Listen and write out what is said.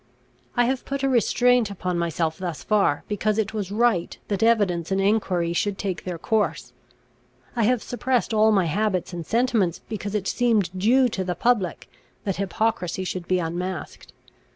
I have put a restraint upon myself thus far, because it was right that evidence and enquiry should take their course. I have suppressed all my habits and sentiments, because it seemed due to the public that hypocrisy should be unmasked.